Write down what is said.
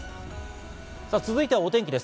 さあ、続いてはお天気です。